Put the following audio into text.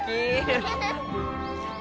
フフフッ！